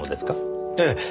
ええ。